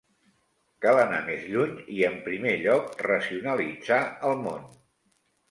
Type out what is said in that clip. Cal anar més lluny i en primer lloc racionalitzar el món.